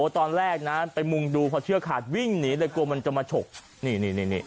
ตอนแรกนะไปมุงดูพอเชือกขาดวิ่งหนีเลยกลัวมันจะมาฉกนี่นี่